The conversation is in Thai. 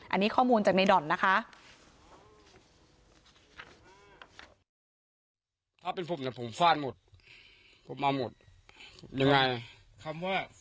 อันนี้ข้อมูลจากในด่อนนะคะ